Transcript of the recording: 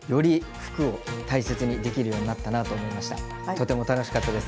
とても楽しかったです。